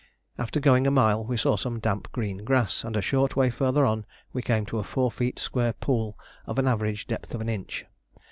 After going a mile we saw some damp green grass, and a short way farther on we came to a four feet square pool of an average depth of an inch.